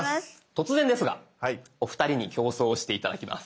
突然ですがお二人に競争をして頂きます。